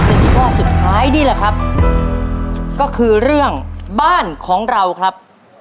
หนึ่งข้อสุดท้ายนี่แหละครับก็คือเรื่องบ้านของเราครับ